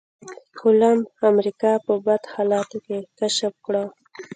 کولمب امريکا په بد حالاتو کې کشف کړه.